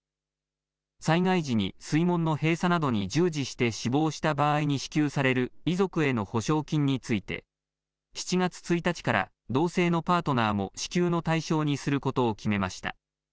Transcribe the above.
災害時に水門の閉鎖などに従事して死亡した場合に支給される遺族への補償金について７月１日から同性のパートナーも支給の対象にすることを決めました。